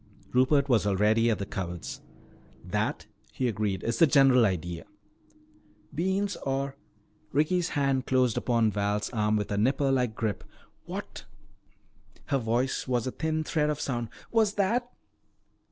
Rupert was already at the cupboards. "That," he agreed, "is the general idea." "Beans or " Ricky's hand closed upon Val's arm with a nipper like grip. "What," her voice was a thin thread of sound, "was that?"